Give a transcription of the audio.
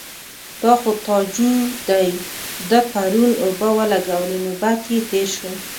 _دا خو تاجو دی، ده پرون اوبه ولګولې. نوبت يې تېر شو.